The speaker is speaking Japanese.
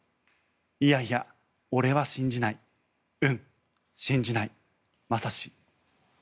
いやいや、俺は信じないうん、信じないまさし。